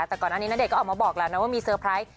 แต่ก่อนอันนี้ณเดชนก็ออกมาบอกแล้วนะว่ามีเซอร์ไพรส์